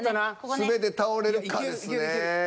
全て倒れるかですね。